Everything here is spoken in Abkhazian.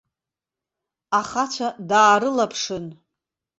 Ахацәа даарылаԥшын.